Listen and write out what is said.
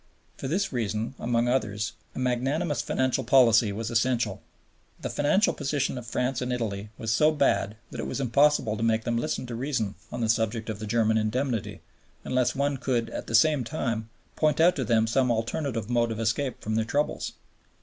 For this reason amongst others, a magnanimous financial policy was essential. The financial position of France and Italy was so bad that it was impossible to make them listen to reason on the subject of the German Indemnity, unless one could at the same time point out to them some alternative mode of escape from their troubles.